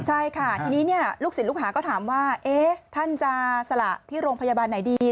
ใช่ค่ะทีนี้ลูกศิษย์ลูกหาก็ถามว่าท่านจะสละที่โรงพยาบาลไหนดี